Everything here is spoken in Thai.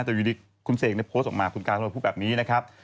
แต่อยู่ดีคุณเสกโพสต์ออกมาคุณการก็มาพูดแบบนี้นะครับ